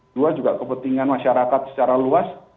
dua juga kepentingan masyarakat secara luas